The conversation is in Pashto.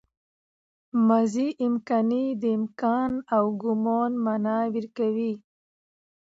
ماضي امکاني د امکان او ګومان مانا ورکوي.